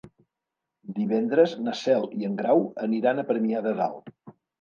Divendres na Cel i en Grau aniran a Premià de Dalt.